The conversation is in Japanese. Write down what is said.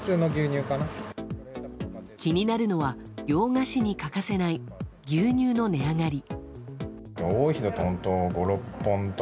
気になるのは洋菓子に欠かせない牛乳の値上がり。